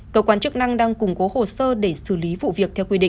cơ quan chức năng đang củng cố hồ sơ để xử lý vụ việc theo quy định